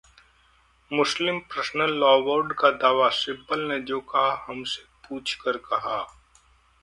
मुस्लिम personal law board का दावा- सिब्बल ने जो कहा, हमसे पूछकर कहा